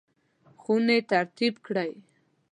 خونې ترتیب کړئ